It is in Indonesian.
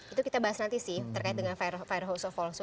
itu kita bahas nanti sih terkait dengan fire house of olso